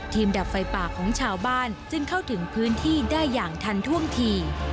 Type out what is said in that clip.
ดับไฟป่าของชาวบ้านจึงเข้าถึงพื้นที่ได้อย่างทันท่วงที